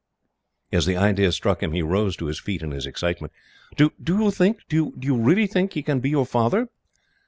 And as the idea struck him, he rose to his feet in his excitement. "Do you think do you really think he can be your father?"